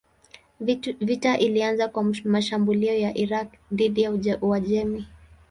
Vita ilianza kwa mashambulio ya Irak dhidi ya Uajemi.